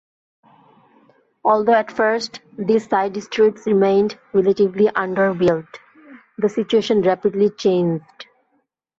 Although at first these side-streets remained relatively underbuilt, the situation rapidly changed.